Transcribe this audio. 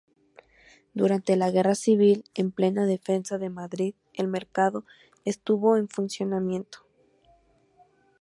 Durante la Guerra Civil en plena defensa de Madrid el 'Mercado' estuvo en funcionamiento.